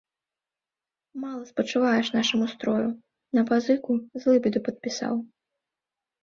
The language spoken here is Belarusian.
Мала спачуваеш нашаму строю, на пазыку злыбеду падпісаў.